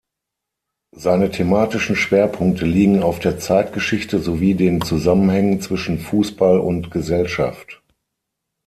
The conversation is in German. Seine thematischen Schwerpunkte liegen auf der Zeitgeschichte sowie den Zusammenhängen zwischen Fußball und Gesellschaft.